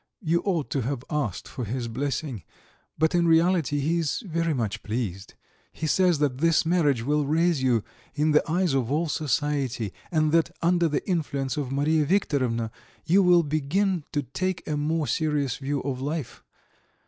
You ought to have asked for his blessing. But in reality he is very much pleased. He says that this marriage will raise you in the eyes of all society, and that under the influence of Mariya Viktorovna you will begin to take a more serious view of life.